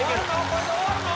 これで終わるの？